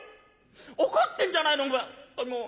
「怒ってんじゃないのもう。